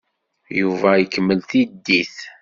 Yuba ikemmel tiddit.